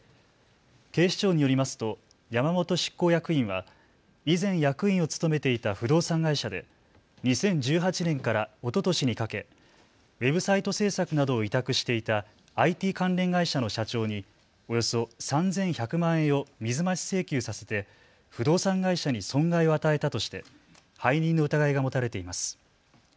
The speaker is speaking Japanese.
警視庁によりますと山本執行役員は以前役員を務めていた不動産会社で２０１８年からおととしにかけウェブサイト制作などを委託していたＩＴ関連会社の社長におよそ３１００万円を水増し請求させて不動産会社に損害を与えたとして背任の疑いが持たれています。